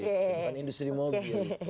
bukan industri mobil